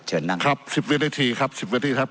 เชิญนั่งครับ๑๐วินาทีครับ๑๐นาทีครับ